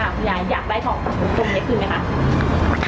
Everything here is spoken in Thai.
เนี่ยอยากได้ของมีคุณค่ะ